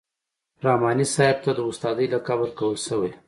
رحماني صاحب ته د استادۍ لقب ورکول شوی.